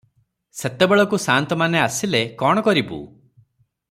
ସେତେବେଳକୁ ସାନ୍ତମାନେ ଆସିଲେ କଣ କରିବୁ?